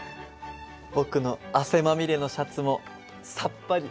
僕の汗まみれのシャツもさっぱり！